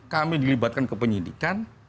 kami dilibatkan ke penyidikan